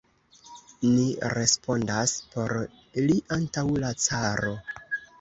Ni respondas por li antaŭ la caro.